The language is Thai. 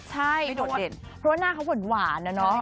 ใช่เพราะว่าหน้าเขาเหมือนหวานนะเนอะ